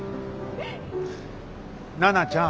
奈々ちゃん。